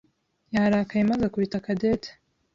yarakaye maze akubita Cadette.